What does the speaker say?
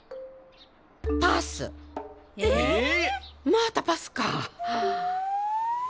またパスか。